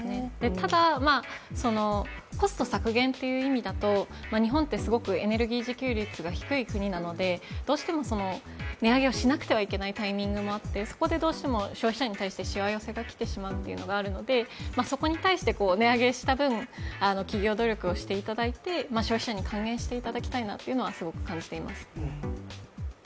ただコスト削減という意味だと日本ってすごくエネルギー自給率が低い国なので、どうしても値上げをしなくてはいけないタイミングもあってそこでどうしても消費者に対してしわ寄せが来てしまう部分があるのでそこに対して、値上げした分企業努力をしていただいて消費者に還元していただきたいなとすごく感じています。